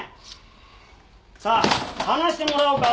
さあ話してもらおうか。